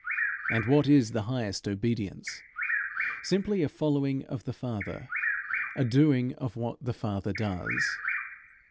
And what is the highest obedience? Simply a following of the Father a doing of what the Father does.